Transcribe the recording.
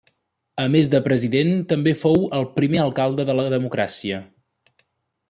A més de president, també fou el primer alcalde de la democràcia.